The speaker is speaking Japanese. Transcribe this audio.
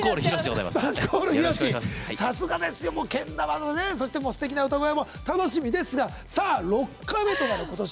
さすがですよ、けん玉もすてきな歌声も楽しみですが、６回目となる今年。